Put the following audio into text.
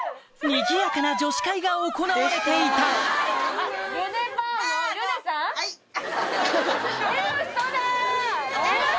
にぎやかな女子会が行われていたうわ！